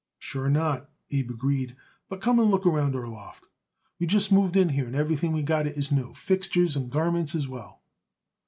"Sure not," Abe agreed. "But come and look around our loft. We just moved in here, and everything we got it is new fixtures and garments as well."